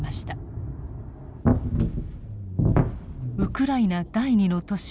ウクライナ第二の都市